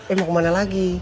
eh mau ke mana lagi